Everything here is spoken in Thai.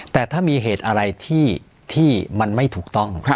แต่ถ้ามีเหตุอะไรที่มันไม่ถูกต้อง